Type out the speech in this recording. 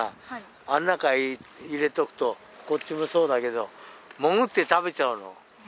あの中に入れておくとこっちもそうだけど潜って食べちゃうの。